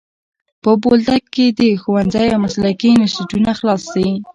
په بولدک کي دي ښوونځی او مسلکي انسټیټونه خلاص سي.